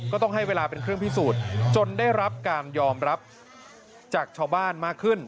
ต้องให้เวลาเป็นเครื่องพิสูจน์จนได้รับการยอมรับจากชาวบ้านมากขึ้น